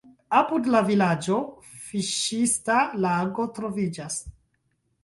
Apud la vilaĝo fiŝista lago troviĝas.